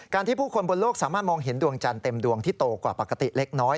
ที่ผู้คนบนโลกสามารถมองเห็นดวงจันทร์เต็มดวงที่โตกว่าปกติเล็กน้อย